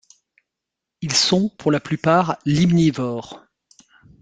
Ils sont pour la plupart limnivores.